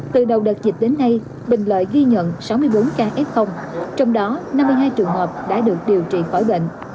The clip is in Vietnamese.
từ đầu đợt dịch đến nay bình lợi ghi nhận sáu mươi bốn ca f trong đó năm mươi hai trường hợp đã được điều trị khỏi bệnh